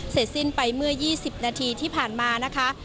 เสร็จสิ้นไปเมื่อ๒๐นาทีที่ผ่านมานะคะ